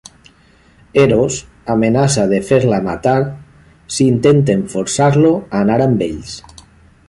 Eros amenaça de fer-la matar si intenten forçar-lo a anar amb ells.